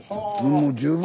もう十分。